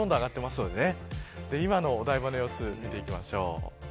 今のお台場の様子見ていきましょう。